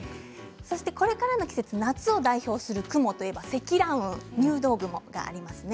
これからの季節夏を代表する雲といえば積乱雲、入道雲がありますね。